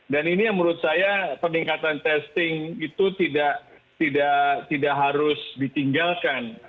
dan ini menurut saya peningkatan testing itu tidak harus ditinggalkan